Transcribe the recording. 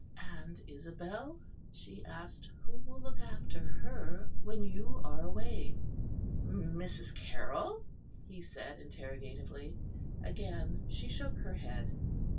"And Isabel?" she asked, "who will look after her when you are away?" "Mrs. Carroll?" he said interrogatively. Again she shook her head.